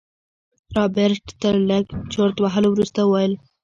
رابرټ تر لږ چورت وهلو وروسته وويل.